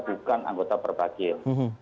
bukan anggota perbakin